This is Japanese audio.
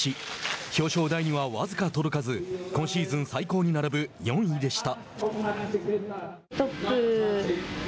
表彰台には僅か届かず今シーズン最高に並ぶ４位でした。